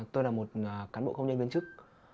tôi là một cán bộ công nhân viên chức